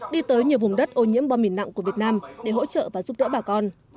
đi tới nhiều vùng đất ô nhiễm bom mìn nặng của việt nam để hỗ trợ và giúp đỡ bà con